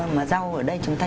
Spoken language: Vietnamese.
mà rau ở đây chúng ta